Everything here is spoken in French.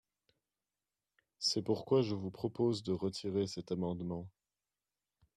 C’est pourquoi je vous propose de retirer cet amendement.